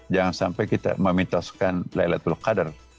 jangan sampai kita memitoskan laylatul qadar